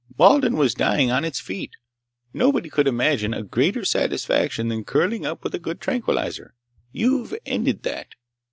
Walden was dying on its feet. Nobody could imagine a greater satisfaction than curling up with a good tranquilizer! You've ended that!